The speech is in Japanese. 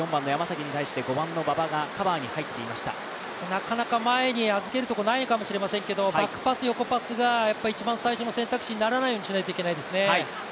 なかなか前に預けるところがないかもしれないですけど、バックパス、横パスが一番最初の選択肢にならないようにしなければいけないですね。